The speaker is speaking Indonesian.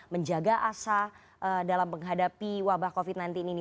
menjaga asa dalam menghadapi wabah covid nanti ini